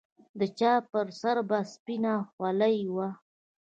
د چا پر سر به سپينه خولۍ وه.